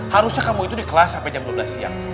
harusnya kamu itu di kelas sampai jam dua belas siang